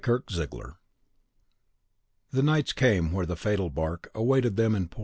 xv (Argomento.) The knights came where the fatal bark Awaited them in the port.